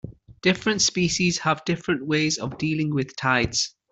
Different species have different ways of dealing with tides.